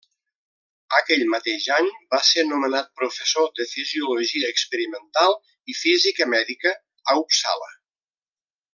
Aquell mateix any va ser nomenat professor de fisiologia experimental i física mèdica a Uppsala.